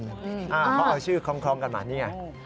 เขาเอาชื่อคล้องกันมานี่ไง